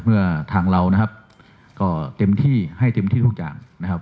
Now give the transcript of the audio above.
เมื่อทางเรานะครับก็เต็มที่ให้เต็มที่ทุกอย่างนะครับ